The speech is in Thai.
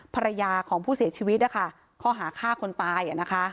ภรรยาของผู้เสียชีวิตข้อหาฆ่าคนตาย